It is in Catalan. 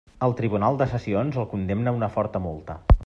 El tribunal de sessions el condemna a una forta multa.